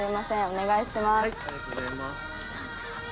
お願いします。